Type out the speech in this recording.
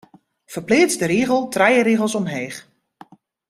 Ferpleats de rigel trije rigels omheech.